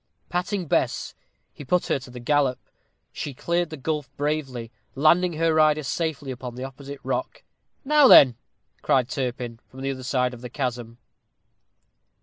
Patting Bess, he put her to a gallop. She cleared the gulf bravely, landing her rider safely upon the opposite rock. "Now then," cried Turpin, from the other side of the chasm.